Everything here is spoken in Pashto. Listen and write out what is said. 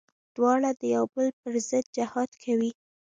دواړه د يو بل پر ضد جهاد کوي.